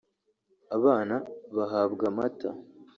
abana bahabwa amata